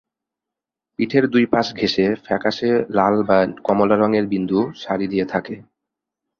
পিঠের দুই পাশ ঘেঁষে ফ্যাকাশে লাল বা কমলা রঙের বিন্দু সারি দিয়ে থাকে।